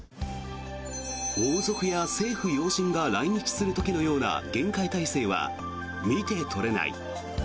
王族や政府要人が来日する時のような厳戒態勢は見て取れない。